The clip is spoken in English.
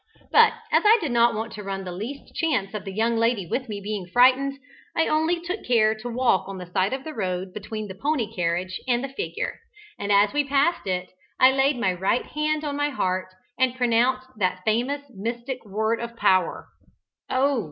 But as I did not want to run the least chance of the young lady with me being frightened, I only took care to walk on the side of the road between the pony carriage and the figure, and as we passed it I laid my right hand on my heart, and pronounced that famous mystic word of power Oh!